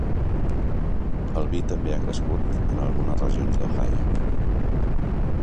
El vi també ha crescut en algunes regions d'Ohio.